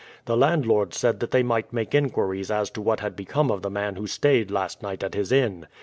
The landlord said that they might make inquiries as to what had become of the man who stayed last night at his inn.